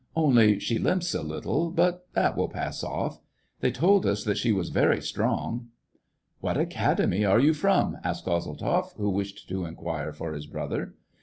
Only, she limps a little, but that will pass off. They told us that she was very strong." " What academy are you from }" asked Kozel tzoff, who wished to inquire for his brother.